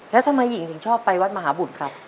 แล้วทำไมหญิงถึงชอบไปวัดมหาบุตรครับ